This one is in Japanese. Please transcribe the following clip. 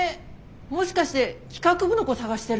もしかして企画部の子捜してる？